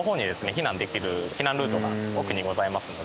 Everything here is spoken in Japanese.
避難できる避難ルートが奥にございますので。